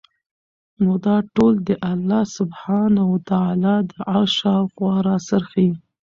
نو دا ټول د الله سبحانه وتعالی د عرش شاوخوا راڅرخي